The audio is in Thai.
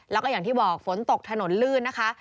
แล้วก็อย่างที่บอกฝนตกถนนลื่นนะคะ